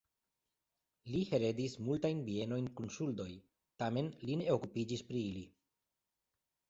Li heredis multajn bienojn kun ŝuldoj, tamen li ne okupiĝis pri ili.